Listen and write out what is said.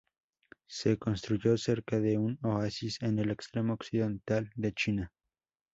Se construyó cerca de un oasis en el extremo occidental de China.